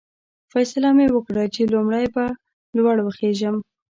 فیصله مې وکړل چې لومړی به لوړ وخېژم.